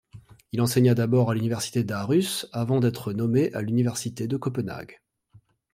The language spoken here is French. Il enseigna d'abord à l'université d'Aarhus avant d'être nommé à l'université de Copenhague.